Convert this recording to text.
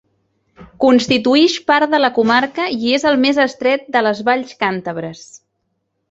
Constituïx part de la comarca i és el més estret de les valls càntabres.